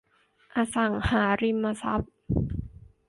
อสังหาริมทรัพย์